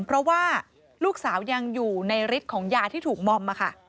เพราะว่าลูกสาวยังอยู่ในฤทธิ์ของยาที่ถูกมอมค่ะ